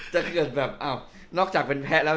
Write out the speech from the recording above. ถ้าเกิดแบบอ้าวนอกจากเป็นแพ้แล้ว